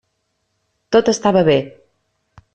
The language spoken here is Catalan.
Tot estava bé.